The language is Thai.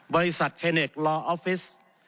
บริษัทเคเนกลออฟฟิศ